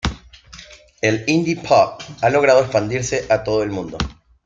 El indie pop ha logrado expandirse a todo el mundo.